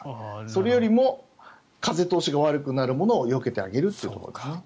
それよりも風通しが悪くなるものをよけてあげるということですね。